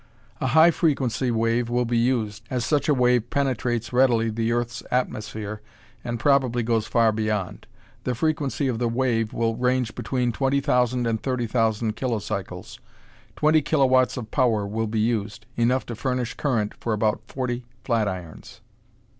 A high frequency wave will be used, as such a wave penetrates readily the earth's atmosphere and probably goes far beyond. The frequency of the wave will range between 20,000 and 30,000 kilocycles. Twenty kilowats of power will be used, enough to furnish current for about forty flatirons.